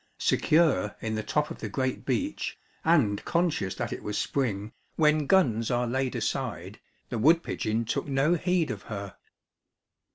Secure in the top of the great beech, and conscious that it was spring, when guns are laid aside, the wood pigeon took no heed of her.